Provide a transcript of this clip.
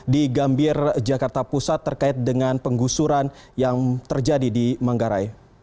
di gambir jakarta pusat terkait dengan penggusuran yang terjadi di manggarai